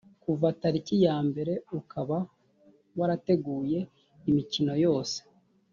kuva taliki yambere ukaba warateguye imikino yose